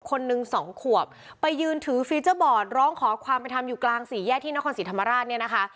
คนหนึ่งสองขวบไปยืนถือฟีเจอร์บอร์ดร้องขอความเป็นธรรมอยู่กลางสี่แยกที่นครศรีธรรมราชเนี่ยนะคะ